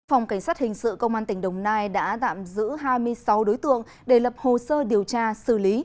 phòng cảnh sát hình sự công an tỉnh đồng nai đã tạm giữ hai mươi sáu đối tượng để lập hồ sơ điều tra xử lý